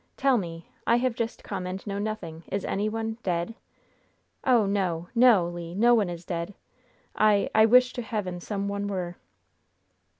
Tell me! I have just come, and know nothing. Is any one dead?" "Oh, no! No, Le! No one is dead. I I wish to Heaven some one were!"